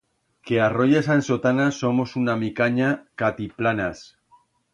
Que as royas ansotanas somos una micanya catiplanas.